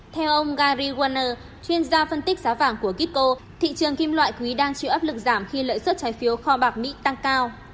theo ông gary warner chuyên gia phân tích giá vàng của kiko thị trường kim loại quý đang chịu áp lực giảm khi lợi xuất trái phiếu kho bạc mỹ tăng cao